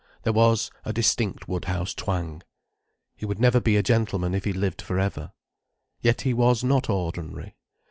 There was a distinct Woodhouse twang. He would never be a gentleman if he lived for ever. Yet he was not ordinary.